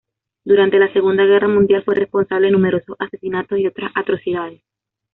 Durante la Segunda Guerra Mundial fue responsable de numerosos asesinatos y otras atrocidades.